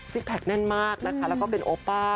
แพคแน่นมากนะคะแล้วก็เป็นโอป้า